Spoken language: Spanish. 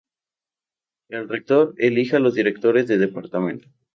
El Rector elige a los Directores de Departamento.